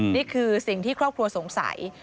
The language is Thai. นี่คือสิ่งที่ครอบครัวสงสัย